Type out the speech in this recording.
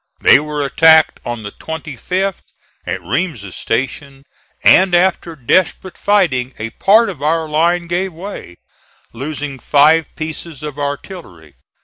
They were attacked on the 25th at Reams's Station, and after desperate fighting a part of our line gave way, losing five pieces of artillery.